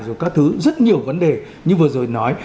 rồi các thứ rất nhiều vấn đề như vừa rồi nói